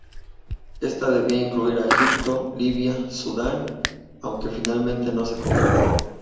Esta debía incluir a Egipto, Libia y Sudán, aunque finalmente no se concretó.